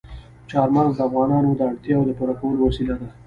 چار مغز د افغانانو د اړتیاوو د پوره کولو وسیله ده.